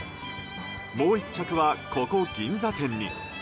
もう１着は、ここ銀座店に。